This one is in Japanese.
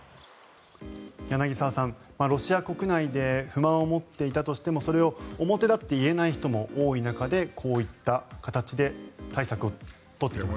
柳澤さん、ロシア国内で不満を持っていたとしてもそれを表立って言えない人も多い中でこういった形で対策を取っていると。